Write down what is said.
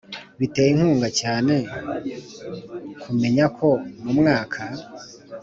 Biteye inkunga cyane kumenya ko mu mwaka